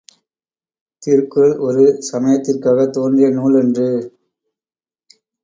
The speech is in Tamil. திருக்குறள் ஒரு சமயத்திற்காகத் தோன்றிய நூல் அன்று!